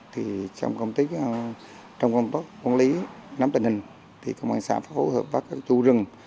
trong công lý nắm tình hình công an xã phố hợp với chú rừng